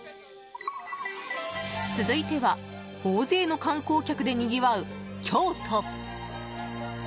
続いては大勢の観光客でにぎわう京都。